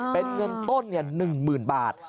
เป็นเงินต้น๑๐๐๐บาท